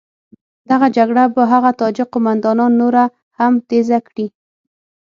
دغه جګړه به هغه تاجک قوماندانان نوره هم تېزه کړي.